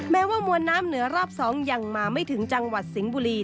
แม้ว่ามวลน้ำเหนือรอบ๒ยังมาไม่ถึงจังหวัดสิงห์บุรี